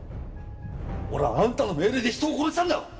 俺はあんたの命令で人を殺したんだ！